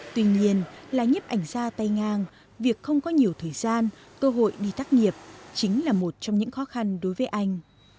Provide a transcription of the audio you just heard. tuy nhiên là nhếp ảnh ra tay ngang việc không có nhiều thời gian cơ hội đi tắt nghiệp chính là một trong những khó khăn đối với anh